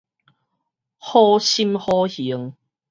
好心好行